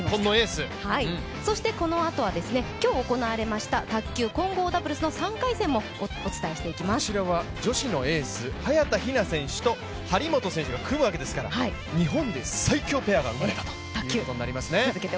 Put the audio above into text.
そして、このあとは今日、行われました卓球混合ダブルスのこちらは女子のエース早田ひな選手と張本選手が組むわけですから、日本で最強ペアが生まれたということになりますね。